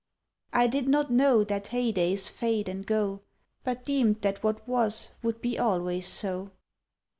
I did not know That heydays fade and go, But deemed that what was would be always so.